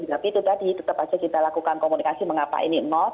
tapi itu tadi tetap saja kita lakukan komunikasi mengapa ini nol